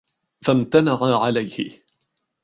فَامْتَنَعَ عَلَيْهِ